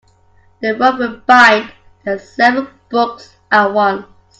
The rope will bind the seven books at once.